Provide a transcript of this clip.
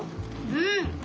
うん！